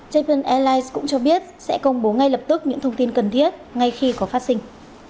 japan airlines cũng cho biết sẽ công bố ngay lập tức những thông tin cần thiết ngay khi có phát sinh